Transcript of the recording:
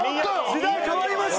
時代変わりました！